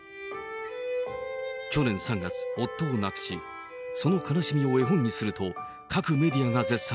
去年３月、夫を亡くし、その悲しみを絵本にすると、各メディアが絶賛。